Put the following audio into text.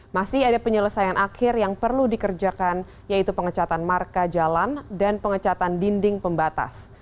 masih ada penyelesaian akhir yang perlu dikerjakan yaitu pengecatan marka jalan dan pengecatan dinding pembatas